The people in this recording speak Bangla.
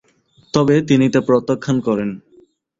তবে তিনি তা প্রত্যাখ্যান করেন।